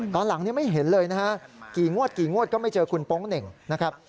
ตอนหลังไม่เห็นเลยกี่งวดกี่งวดก็ไม่เจอคุณโป๊งเหน่ง